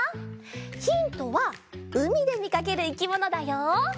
ヒントはうみでみかけるいきものだよ。